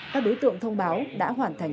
các đối tượng thông báo đã hoàn thành